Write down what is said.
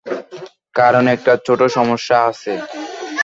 কারণ একটা ছোট্ট সমস্যা আছে।